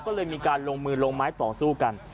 ก็เลยมีการลงมือลงไม้ต่อสู้กัน